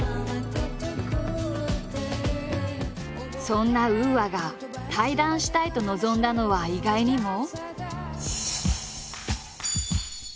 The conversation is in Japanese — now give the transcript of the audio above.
そんなＵＡが対談したいと望んだのは意外にも。